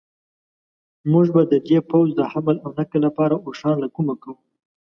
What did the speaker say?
موږ به د دې پوځ د حمل و نقل لپاره اوښان له کومه کوو.